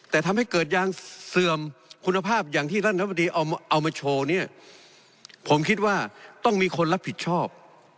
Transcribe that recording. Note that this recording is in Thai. แต่ทำให้เกิดยางเสื่อมคุณภาพอย่างที่ท่านรัฐมนตรีเอามาโชว์เนี่ยผมคิดว่าต้องมีคนรับผิดชอบ